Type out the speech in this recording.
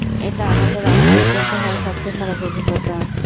এটা আমাদের আজ পর্যন্ত হওয়া সবচেয়ে খারাপ অভিজ্ঞতা।